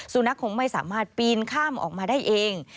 นักคงไม่สามารถปีนข้ามออกมาได้เอง